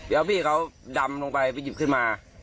แล้วพี่เขาดำลงไปไปหยิบขึ้นมา